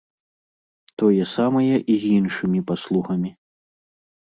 Тое самае і з іншымі паслугамі.